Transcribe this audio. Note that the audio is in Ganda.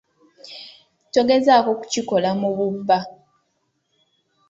Togezaako kukikola mu bubba.